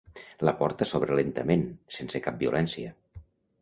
La porta s'obre lentament, sense cap violència.